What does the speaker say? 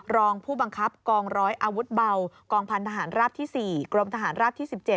รองผู้บังคับกองร้อยอาวุธเบากองพันธหารราบที่๔กรมทหารราบที่๑๗